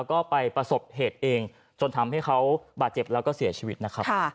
ก็ไปประสบเหตุเองจนทำให้เขาบาดเจ็บแล้วก็เสียชีวิตนะครับ